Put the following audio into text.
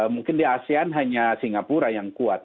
mungkin di asean hanya singapura yang kuat